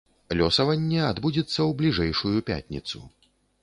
Лёсаванне адбудзецца ў бліжэйшую пятніцу.